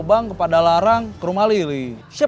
beraqueen vaulting untuk kamu istri enorm